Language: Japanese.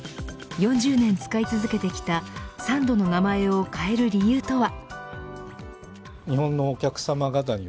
４０年使い続けてきたサンドの名前を変える理由とは。